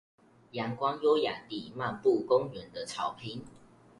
陽光優雅地漫步公園的草坪